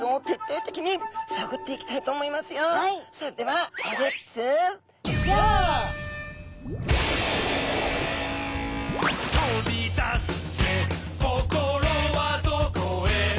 それでは「飛び出すぜ心はどこへ」